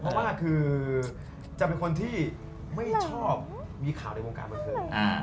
เพราะว่าคือจะเป็นคนที่ไม่ชอบมีข่าวในวงการบันเทิง